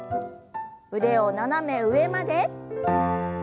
腕を斜め上まで。